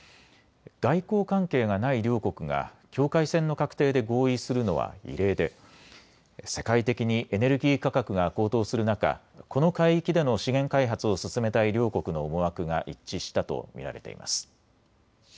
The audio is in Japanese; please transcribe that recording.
外交関係がない両国が境界線の画定で合意するのは異例で世界的にエネルギー価格が高騰する中、この海域での資源開発を進めたい両国の思惑が一致したと見られています。